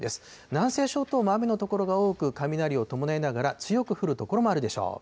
南西諸島も雨の所が多く、雷を伴いながら、強く降る所もあるでしょう。